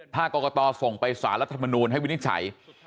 ถ้ากรกตส่งไปสารรัฐมนูลให้วินิจฉัย